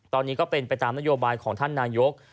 ตอนนี้ก็เป็นไปตามนโยบายของท่านนายก